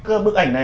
cái bức ảnh này